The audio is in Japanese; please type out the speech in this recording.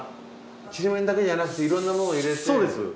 ちりめんだけじゃなくていろんなものを入れて。